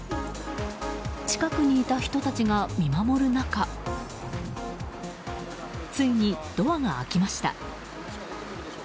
近くにいた人たちが見守る中ついにドアが開きました。